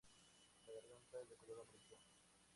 La garganta es de color amarillo.